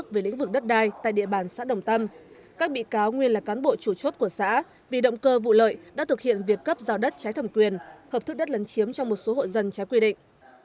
các bị cáo nguyên là cán bộ chủ chốt của xã vì động cơ vụ lợi đã thực hiện việc cấp rào đất trái thẩm quyền hợp thức đất lấn chiếm trong một số hội dân trái quy định